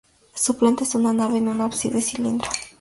Su planta es una nave y un ábside cilíndrico.